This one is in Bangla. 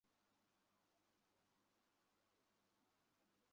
একই সঙ্গে বাংলাদেশের মুক্তিযুদ্ধে ভারতের আবদানকে কৃতজ্ঞতার সঙ্গে স্মরণ করা হয়।